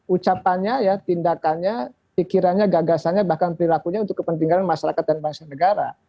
ucapannya ya tindakannya pikirannya gagasannya bahkan perilakunya untuk kepentingan masyarakat dan bangsa negara